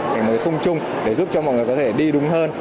hành mới khung chung để giúp cho mọi người có thể đi đúng hơn